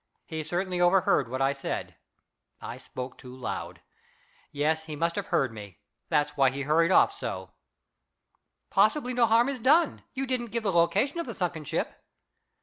He certainly overheard what I said. I spoke too loud. Yes, he must have heard me. That's why he hurried off so." "Possibly no harm is done. You didn't give the location of the sunken ship."